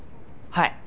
はい。